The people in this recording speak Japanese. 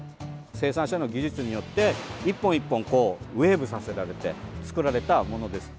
生産者の技術によって１本１本ウエーブさせられて作られたものです。